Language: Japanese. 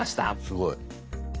すごい。